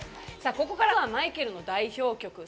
ここからはマイケルの代表曲。